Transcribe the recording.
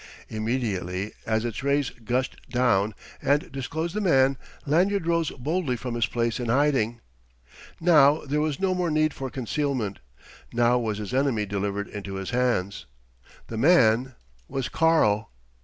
Immediately, as its rays gushed down and disclosed the man, Lanyard rose boldly from his place in hiding. Now there was no more need for concealment; now was his enemy delivered into his hands. The man was "Karl."